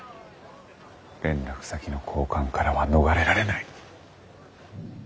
連絡先の交換からは逃れられない。